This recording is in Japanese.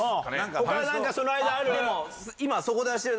他は何かその間ある？